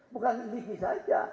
bukan indonesia saja